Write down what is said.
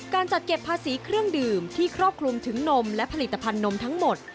การจัดเก็บภาษีเครื่องดื่มที่ครอบคลุมถึงนมและผลิตภัณฑ์นมทั้งหมด